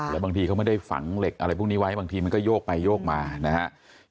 แล้วบางทีเขาไม่ได้ฝังเหล็กอะไรพวกนี้ไว้บางทีมันก็โยกไปโยกมานะครับ